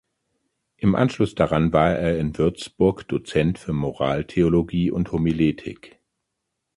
Im Anschluss daran war er in Würzburg Dozent für Moraltheologie und Homiletik.